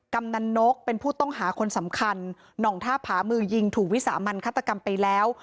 กำนันนกเป็นผู้ต้องหาคนสำคัญหน่องท่าผามือยิงถูกวิสามันฆาตกรรมไปแล้ว